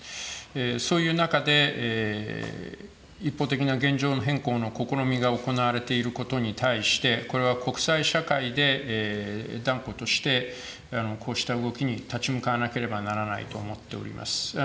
そういう中で、一方的な現状変更の試みが行われていることに対して、これは国際社会で断固として、こうした動きに立ち向かわなければならないと思っています。